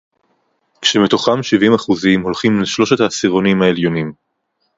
כשמתוכם שבעים אחוזים הולכים לשלושת העשירונים העליונים